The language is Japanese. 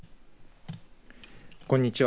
こんにちは。